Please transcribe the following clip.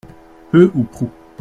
Peu ou prou.